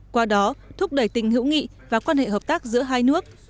qua đó thúc đẩy tình hữu nghị và quan hệ hợp tác giữa hai nước